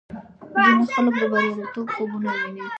ځینې خلک د بریالیتوب خوبونه ویني.